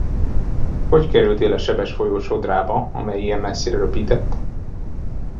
Hogy kerültél a sebes folyó sodrába, amely ilyen messzire röpített?